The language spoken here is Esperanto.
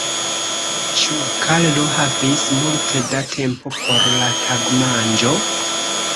Ĉu Karlo havis multe da tempo por la tagmanĝo?